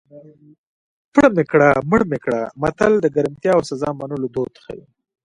پړ مې کړه مړ مې کړه متل د ګرمتیا او سزا منلو دود ښيي